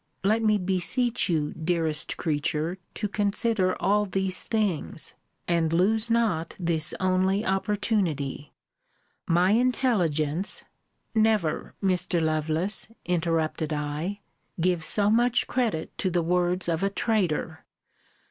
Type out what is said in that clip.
Let me beseech you, dearest creature, to consider all these things; and lose not this only opportunity. My intelligence Never, Mr. Lovelace, interrupted I, give so much credit to the words of a traitor.